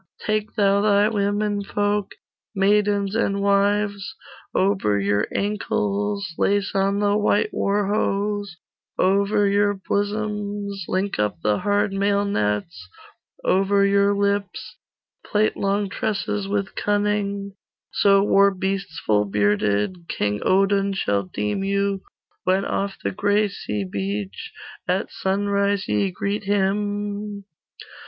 Take thou thy women folk, Maidens and wives: Over your ankles Lace on the white war hose; Over your bosoms Link up the hard mailnets; Over your lips Plait long tresses with cunning; So war beasts full bearded King Odin shall deem you, When off the gray sea beach At sunrise ye greet him.